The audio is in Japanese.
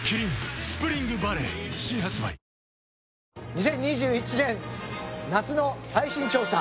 ２０２１年夏の最新調査！